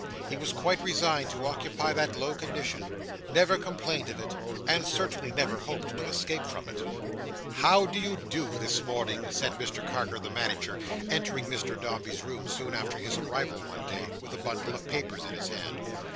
He was quite resigned to occupy that low condition: never complained of it: and certainly never hoped to escape from it. "How do you do this morning?" said Mr Carker the Manager, entering Mr Dombey's room soon after his arrival one day: with a bundle of papers in his hand.